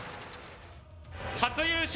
初優勝